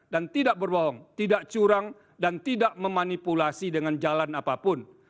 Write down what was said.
dan tidak berbohong tidak curang dan tidak memanipulasi dengan jalan apapun